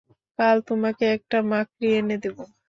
কাল তোমাকে একটা মাকড়ি এনে দেব।